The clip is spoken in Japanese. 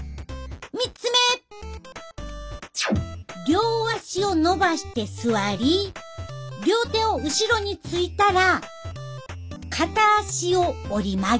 両足をのばして座り両手を後ろについたら片足を折り曲げる。